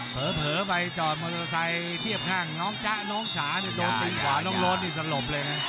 เผลอไปจอดมอเตอร์ไซค์เทียบข้างน้องจ๊ะน้องฉานี่โดนตีนขวาน้องโรดนี่สลบเลยนะ